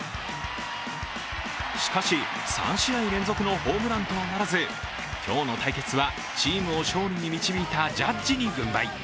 しかし、３試合連続のホームランとはならず今日の対決はチームを勝利に導いたジャッジに軍配。